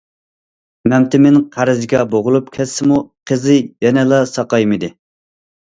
مەمتىمىن قەرزگە بوغۇلۇپ كەتسىمۇ، قىزى يەنىلا ساقايمىدى.